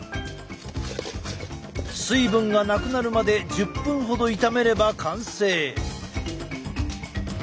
水分がなくなるまで１０分ほど炒めれば完成。